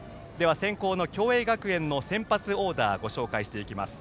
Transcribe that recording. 先攻の共栄学園の先発オーダーご紹介していきます。